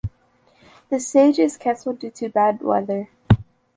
The stage is cancelled due to bad weather.